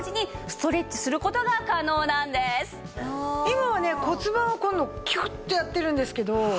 今はね骨盤を今度キュッとやってるんですけど。